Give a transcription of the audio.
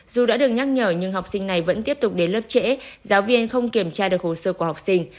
dù đã được nhắc nhở nhưng học sinh này vẫn tiếp tục đến lớp trễ giáo viên không kiểm tra được hồ sơ của học sinh